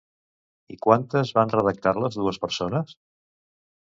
I quantes van redactar-les dues persones?